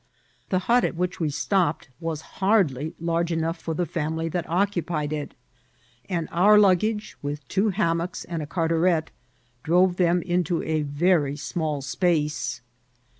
The hut at which we stopped was hardly large enough for the family that occupied it, and our luggage, with two hammocks and a cartaret, drove them into a very small space.